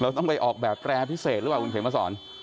ต้องไปออกแบบแรร์พิเศษหรือเปล่าคุณเขมสอน